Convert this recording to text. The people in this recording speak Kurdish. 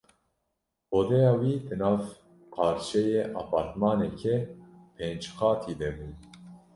Odeya wî di nav qarçeyê apartmaneke pênc qatî de bû.